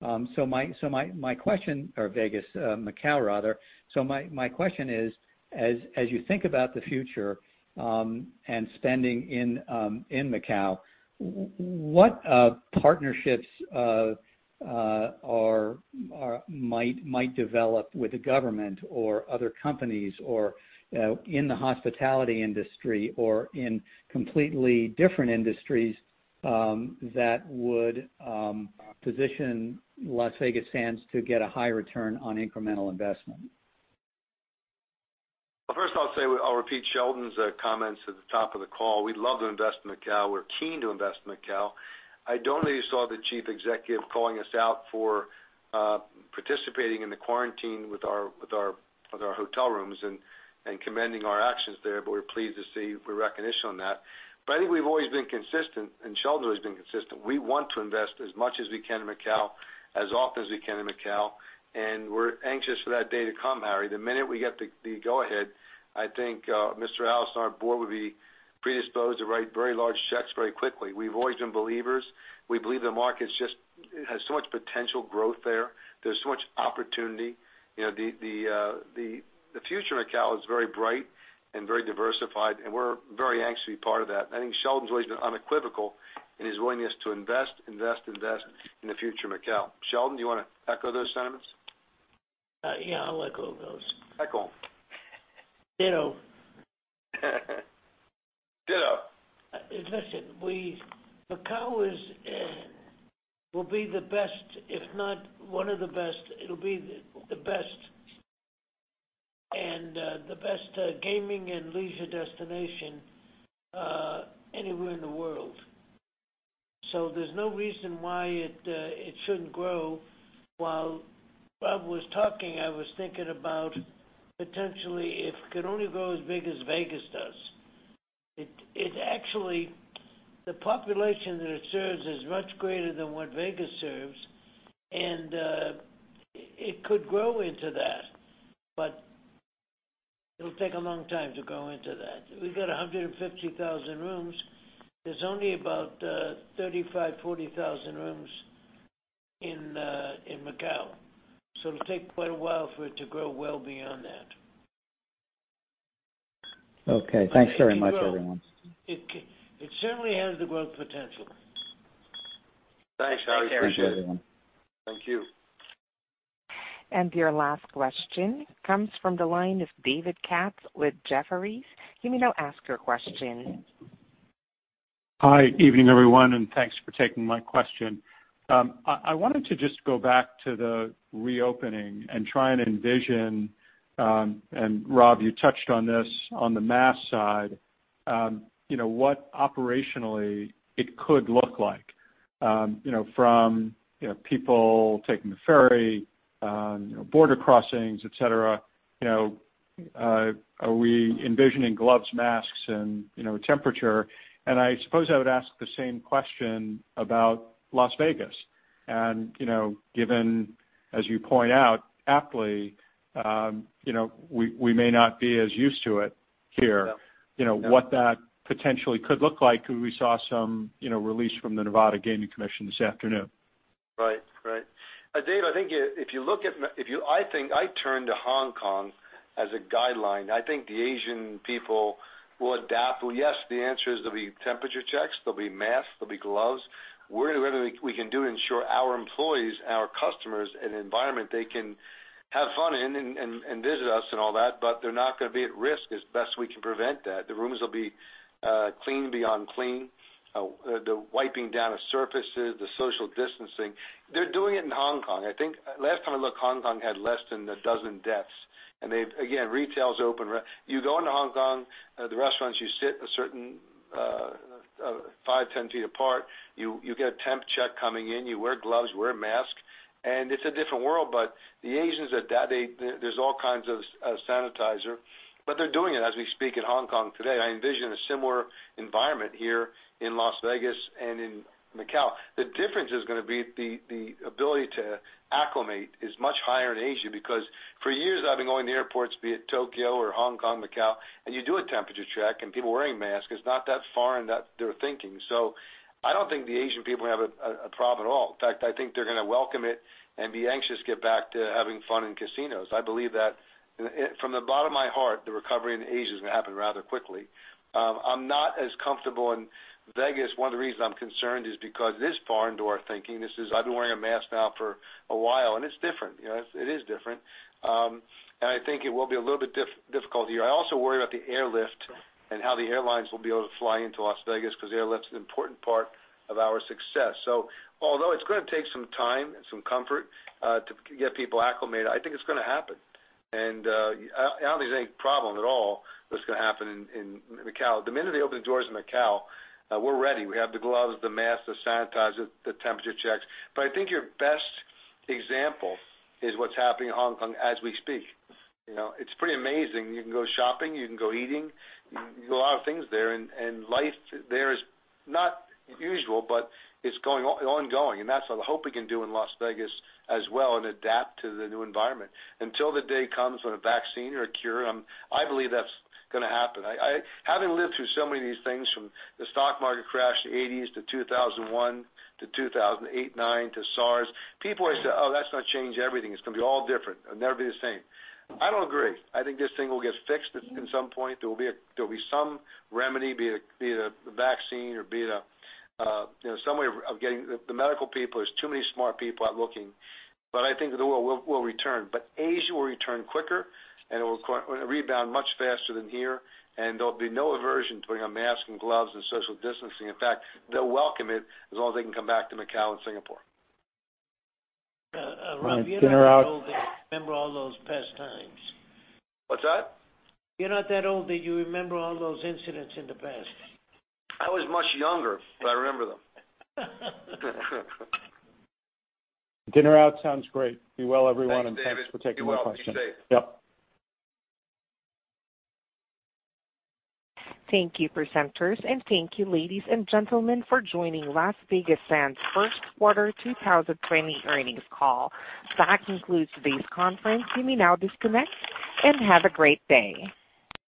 My question-- Vegas, Macao rather. My question is, as you think about the future, and spending in Macao, what partnerships might develop with the government or other companies or in the hospitality industry or in completely different industries that would position Las Vegas Sands to get a high return on incremental investment? First, I'll repeat Sheldon's comments at the top of the call. We'd love to invest in Macau. We're keen to invest in Macau. I don't know you saw the chief executive calling us out for participating in the quarantine with our hotel rooms and commending our actions there, but we're pleased to see recognition on that. I think we've always been consistent, and Sheldon has been consistent. We want to invest as much as we can in Macau, as often as we can in Macau, and we're anxious for that day to come, Harry. The minute we get the go ahead, I think Sheldon Adelson and our board would be predisposed to write very large checks very quickly. We've always been believers. We believe the market has so much potential growth there. There's so much opportunity. The future of Macao is very bright and very diversified. We're very anxious to be part of that. I think Sheldon's always been unequivocal in his willingness to invest in the future of Macao. Sheldon, do you want to echo those sentiments? Yeah, I'll echo those. Echo them. Ditto. Ditto. Listen, Macao will be the best, if not one of the best. It'll be the best gaming and leisure destination anywhere in the world. There's no reason why it shouldn't grow. While Rob was talking, I was thinking about potentially if it could only grow as big as Vegas does. The population that it serves is much greater than what Vegas serves, and it could grow into that, but it'll take a long time to grow into that. We've got 150,000 rooms. There's only about 35,000 rooms-40,000 rooms in Macao, it'll take quite a while for it to grow well beyond that. Okay. Thanks very much, everyone. It certainly has the growth potential. Thanks, Harry. Appreciate it. Thanks, everyone. Thank you. Your last question comes from the line of David Katz with Jefferies. You may now ask your question. Hi. Evening, everyone, and thanks for taking my question. I wanted to just go back to the reopening and try and envision, Rob, you touched on this on the mass side, what operationally it could look like. From people taking the ferry, border crossings, et cetera. Are we envisioning gloves, masks, and temperature? I suppose I would ask the same question about Las Vegas, and given, as you point out aptly, we may not be as used to it here. Yeah. What that potentially could look like, because we saw some release from the Nevada Gaming Commission this afternoon. Right. Dave, I turn to Hong Kong as a guideline. I think the Asian people will adapt. Well, yes, the answer is there'll be temperature checks, there'll be masks, there'll be gloves. We're going to do everything we can do to ensure our employees and our customers an environment they can have fun in and visit us and all that, but they're not going to be at risk, as best we can prevent that. The rooms will be clean beyond clean. The wiping down of surfaces, the social distancing. They're doing it in Hong Kong. I think last time I looked, Hong Kong had less than a dozen deaths. Again, retail is open. You go into Hong Kong, the restaurants, you sit a certain five, 10 feet apart. You get a temp check coming in. You wear gloves, you wear a mask, and it's a different world, but the Asians adapt. There's all kinds of sanitizer. They're doing it as we speak in Hong Kong today. I envision a similar environment here in Las Vegas and in Macau. The difference is going to be the ability to acclimate is much higher in Asia because for years, I've been going to airports, be it Tokyo or Hong Kong, Macau, and you do a temperature check, and people are wearing masks. It's not that foreign that they're thinking. I don't think the Asian people have a problem at all. In fact, I think they're going to welcome it and be anxious to get back to having fun in casinos. I believe that from the bottom of my heart, the recovery in Asia is going to happen rather quickly. I'm not as comfortable in Vegas. One of the reasons I'm concerned is because it is foreign to our thinking. I've been wearing a mask now for a while, and it's different. It is different. I think it will be a little bit difficult here. I also worry about the airlift and how the airlines will be able to fly into Las Vegas because the airlift's an important part of our success. Although it's going to take some time and some comfort to get people acclimated, I think it's going to happen. I don't think there's any problem at all what's going to happen in Macau. The minute they open the doors in Macau, we're ready. We have the gloves, the masks, the sanitizer, the temperature checks. I think your best example is what's happening in Hong Kong as we speak. It's pretty amazing. You can go shopping. You can go eating, you can do a lot of things there. Life there is not usual, but it's ongoing, and that's what I hope we can do in Las Vegas as well and adapt to the new environment. Until the day comes with a vaccine or a cure, I believe that's going to happen. Having lived through so many of these things, from the stock market crash, the 1980s to 2001 to 2008, 2009 to SARS. People always say, "Oh, that's going to change everything. It's going to be all different. It'll never be the same." I don't agree. I think this thing will get fixed at some point. There'll be some remedy, be it a vaccine or be it some way of getting the medical people. There's too many smart people out looking. I think the world will return, but Asia will return quicker, and it will rebound much faster than here, and there'll be no aversion to wearing a mask and gloves and social distancing. In fact, they'll welcome it as long as they can come back to Macau and Singapore. Dinner out. [crosstalk] Rob, you're not that old that you remember all those past times. What's that? You're not that old that you remember all those incidents in the past. I was much younger, but I remember them. Dinner out sounds great. Be well, everyone. Thanks, David Thanks for taking my question. Be well, be safe. Yep. Thank you, presenters, and thank you, ladies and gentlemen, for joining Las Vegas Sands' first quarter 2020 earnings call. That concludes today's conference. You may now disconnect, and have a great day.